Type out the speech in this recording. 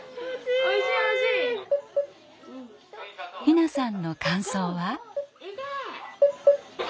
陽菜さんの感想は？